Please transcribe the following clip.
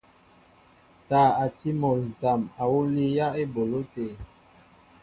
Taa a tí mol ǹtam awǔ líyá eboló te.